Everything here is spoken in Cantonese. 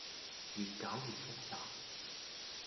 越攪越複雜